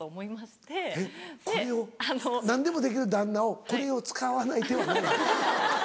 何でもできる旦那を「これを使わないてはないな」。